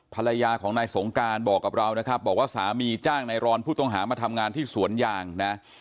ภรรยาของนายสงการบอกกับเรานะครับบอกว่าสามีจ้างนายรอนผู้ต้องหามาทำงานที่สวนยางนะ